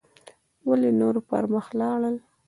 ولې نور پر مخ لاړل